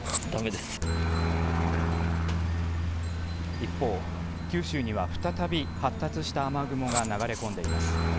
一方、九州には再び発達した雨雲が流れ込んでいます。